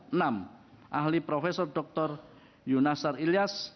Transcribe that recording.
enam ahli profesor dokter yunasar ilyas